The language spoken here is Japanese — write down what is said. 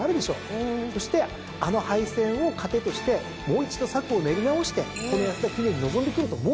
そしてあの敗戦を糧としてもう一度策を練り直してこの安田記念に臨んでくると思うんです。